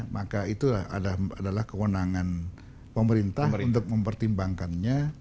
maka itu adalah kewenangan pemerintah untuk mempertimbangkannya